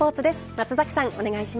松崎さん